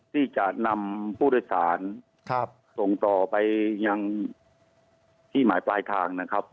ที่จะนำผู้โดยสารส่งต่อไปยังที่หมายปลายทางนะครับ